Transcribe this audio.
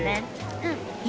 うん。